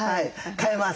替えます。